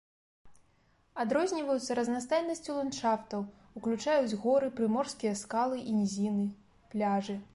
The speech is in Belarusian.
Адрозніваюцца разнастайнасцю ландшафтаў, уключаюць горы, прыморскія скалы і нізіны, пляжы.